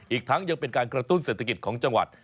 อีกทั้งยังเป็นการกระตุ้นเศรษฐกิจของจังหวัด